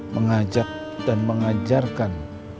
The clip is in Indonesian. mengajak dan mengajarkan